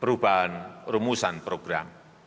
perubahan rumusan program